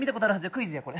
クイズやこれ。